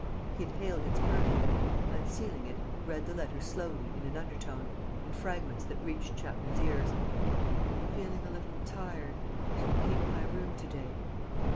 He inhaled its perfume and, unsealing it, read the letter slowly in an undertone, in fragments that reached Chapman's ears: "Feeling a little tired. ... Shall keep my room to day.